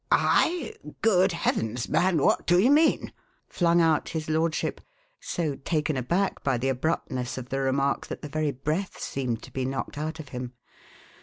"I? Good heavens, man, what do you mean?" flung out his lordship, so taken aback by the abruptness of the remark that the very breath seemed to be knocked out of him.